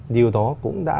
điều đó cũng đã